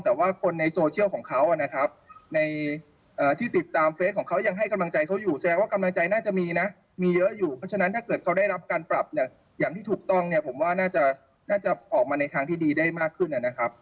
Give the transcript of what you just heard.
ผมว่าน่าจะออกมาในทางที่ดีได้มากขึ้น